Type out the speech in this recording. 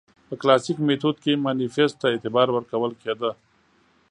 په کلاسیک میتود کې مانیفیست ته اعتبار ورکول کېده.